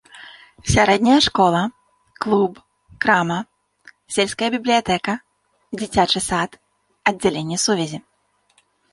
Сярэдняя школа, клуб, крама, сельская бібліятэка, дзіцячы сад, аддзяленне сувязі.